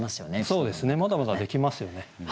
そうですねまだまだできますよね。